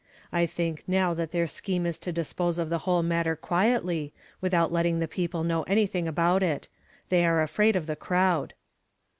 I think now that their sclieme is to dispose of the whole matter quietly, without let ting the people know anything about it ; they are afraid of the crowd."